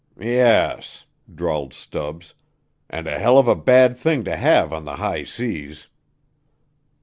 "Yes," drawled Stubbs, "an' a hell of a bad thing to have on the high seas."